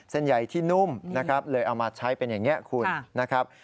เส้นใหญ่ที่นุ่มนะครับเลยเอามาใช้เป็นอย่างนี้คุณนะครับ